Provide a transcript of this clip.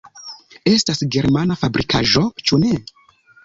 Estas germana fabrikaĵo, ĉu ne?